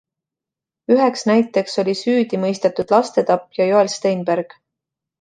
Üheks näiteks oli süüdimõistetud lastetapja Joel Steinberg.